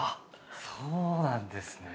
そうなんですね。